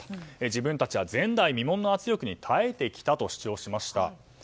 自分たちは前代未聞の圧力に耐えてきたと主張しました。